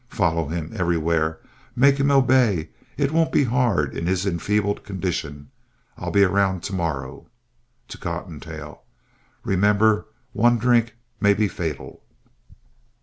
Follow him everywhere. Make him obey. It won't be hard in his enfeebled condition. I'll be around to morrow. (To Cottontail) Remember, one drink may be fatal.